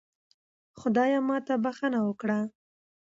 خدایا ماته بښنه وکړه